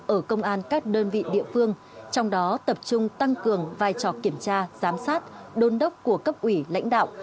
ở công an các đơn vị địa phương trong đó tập trung tăng cường vai trò kiểm tra giám sát đôn đốc của cấp ủy lãnh đạo